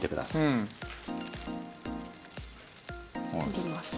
入れます。